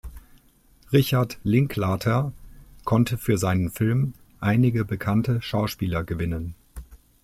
Richard Linklater konnte für seinen Film einige bekannte Schauspieler gewinnen.